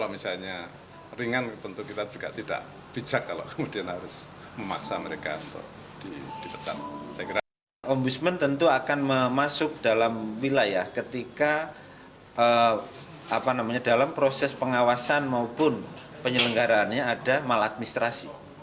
ketika kita masuk dalam wilayah ketika dalam proses pengawasan maupun penyelenggaraannya ada maladministrasi